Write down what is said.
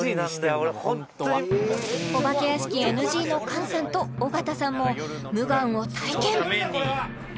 俺ホントにお化け屋敷ＮＧの菅さんと尾形さんも「無顔」を体験